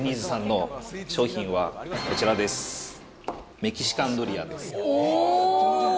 メキシカンドリアです。